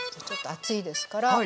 ちょっと熱いですから。